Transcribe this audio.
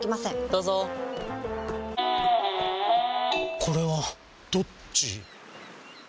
どうぞこれはどっち？